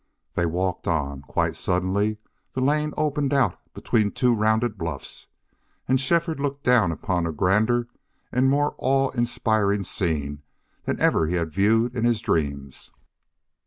They walked on. Quite suddenly the lane opened out between two rounded bluffs, and Shefford looked down upon a grander and more awe inspiring scene than ever he had viewed in his dreams.